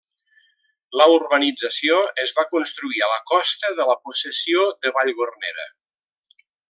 La urbanització es va construir a la costa de la possessió de Vallgornera.